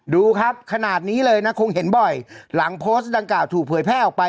ดูครับขนาดนี้เลยนะคงเห็นบ่อยหลังโพสต์ดังกล่าวถูกเผยแพร่ออกไป